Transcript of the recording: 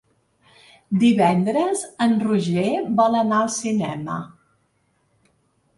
Divendres en Roger vol anar al cinema.